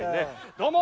どうも。